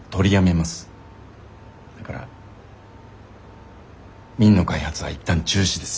だから「Ｍｉｎ」の開発は一旦中止です。